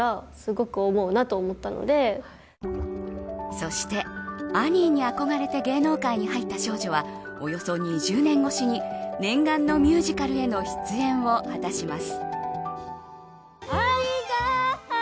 そして、アニーに憧れて芸能界に入った少女はおよそ２０年越しに念願のミュージカルへの出演を果たします。